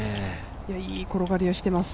いい転がりをしてます。